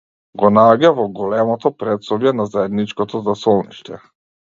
Го наоѓа во големото претсобје на заедничкото засолниште.